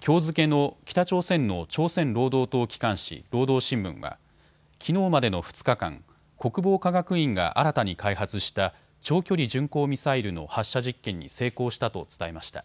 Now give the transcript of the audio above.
きょう付けの北朝鮮の朝鮮労働党機関紙、労働新聞はきのうまでの２日間、国防科学院が新たに開発した長距離巡航ミサイルの発射実験に成功したと伝えました。